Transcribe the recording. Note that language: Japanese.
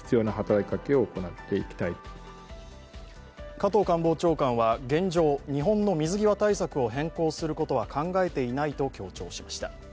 加藤官房長官は現状、日本の水際対策を変更することは考えていないと強調しました。